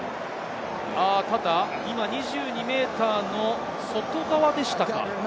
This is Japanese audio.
ただ２２ｍの外側でしたか？